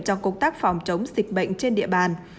cho công tác phòng chống dịch bệnh trên địa bàn